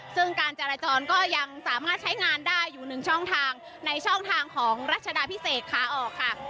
ซึ่งการจราจรก็ยังสามารถใช้งานได้อยู่หนึ่งช่องทางในช่องทางของรัชดาพิเศษขาออกค่ะ